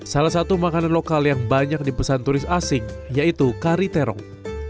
salah satu makanan lokal yang banyak dipesan turis asing yaitu kari terong